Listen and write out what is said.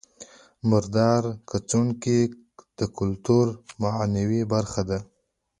مردار ځړوکی د کولتور معنوي برخه ده